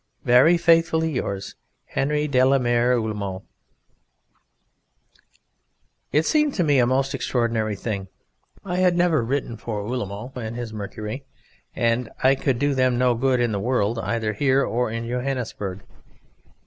Very faithfully yours,_ HENRY DE LA MERE ULLMO. It seemed to me a most extraordinary thing. I had never written for Ullmo and his Mercury, and I could do them no good in the world, either here or in Johannesburg.